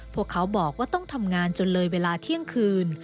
พวกเขาบอกว่าต้องทำงานจนเลยเวลาเที่ยงคืน